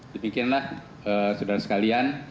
demikianlah saudara sekalian